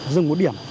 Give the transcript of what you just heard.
dừng một điểm